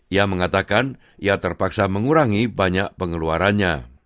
ia mengatakan ia terpaksa mengurangi banyak pengeluarannya